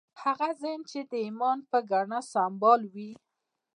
هغه ذهن چې د ایمان په ګاڼه سمبال وي